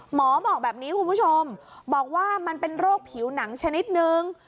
หมอบอกแบบนี้คุณผู้ชมบอกว่ามันเป็นโรคผิวหนังชนิดนึง